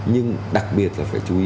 nhưng đặc biệt là phải chú ý